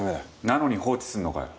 なのに放置するのかよ。